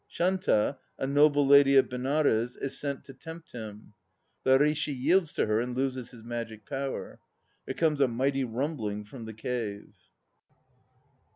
Shanta, a noble lady of Benares, is sent to tempt him. The Rishi yields to her and loses his magic power. There comes a mighty rumbling from the cave.